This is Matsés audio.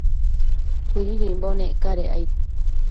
Cuididimbo nec cadec aid